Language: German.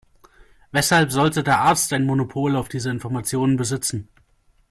Weshalb sollte der Arzt ein Monopol auf diese Informationen besitzen?